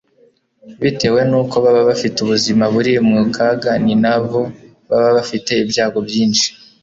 bitewe nuko baba bafite ubuzima buri mu kaga ni na bo baba bafite ibyago byinshi